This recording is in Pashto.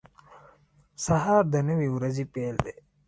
• سهار د نوې ورځې پیل دی.